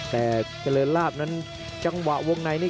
แต่เจริญลาบนั้นจังหวะวงในนี่